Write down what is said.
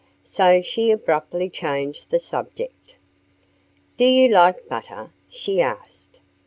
So she abruptly changed the subject. "Do you like butter?" she asked.